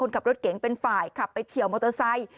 ขับรถเก๋งเป็นฝ่ายขับไปเฉียวมอเตอร์ไซค์